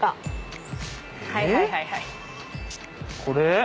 これ？